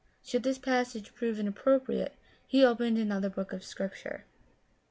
Should this passage prove inappropriate, he opened another book of Scripture.